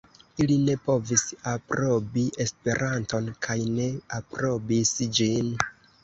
Ili ne povis aprobi Esperanton kaj ne aprobis ĝin.